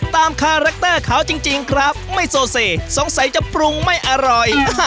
คาแรคเตอร์เขาจริงครับไม่โซเซสงสัยจะปรุงไม่อร่อย